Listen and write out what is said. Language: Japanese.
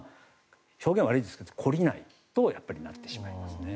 表現は悪いですけど懲りないとなってしまいますね。